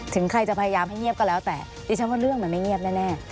ถึงใครจะพยายามให้เงียบก็แล้วแต่ดิฉันว่าเรื่องมันไม่เงียบแน่